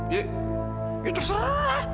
ya ya terserah